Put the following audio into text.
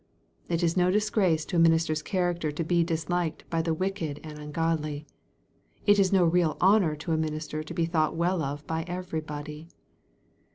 It is no disgrace to a minister's character to be disliked by the wicked and ungodly. It is no real honor to a minister to be thought well of by everybody.